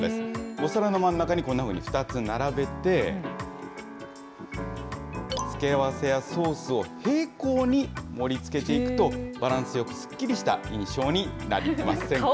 お皿の真ん中にこんなふうに２つ並べて、付け合わせやソースを平行に盛りつけていくと、バランスよくすっきりした印象になりませんか？